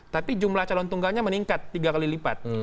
tapi jumlah calon tunggalnya meningkat tiga kali lipat